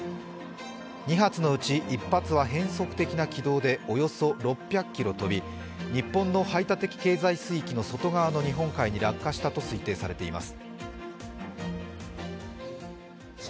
２発のうち１発は変則的な軌道でおよそ６００ｋｍ飛び、日本の排他的経済水域の外側の日本海に落下したと推定されています。